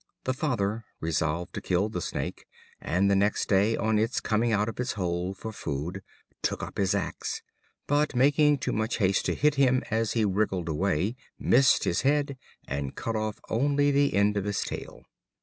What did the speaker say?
The father resolved to kill the Snake, and the next day, on its coming out of its hole for food, took up his axe; but, making too much haste to hit him as he wriggled away, missed his head, and cut off only the end of his tail.